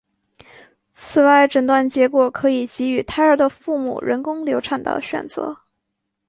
此外诊断结果可以给予胎儿的父母人工流产的选择。